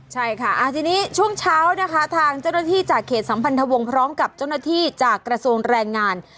ใช่ค่ะทีนี้ช่วงเช้านะคะทางเจ้าหน้าที่จากเขตสัมพันธวงศ์พร้อมกับเจ้าหน้าที่จากกระทรวงแรงงาน